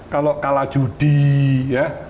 kalau kalah judi ya